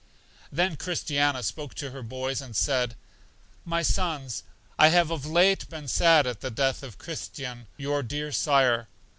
Then Christiana spoke to her boys, and said: My sons, I have of late been sad at the death of Christian, your dear sire.